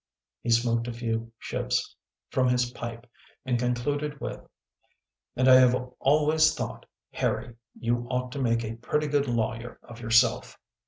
He smoked a few shiffs from his pipe and con cluded with :" And I have always thought, Harry, you ought to make a pretty good lawyer of yourself."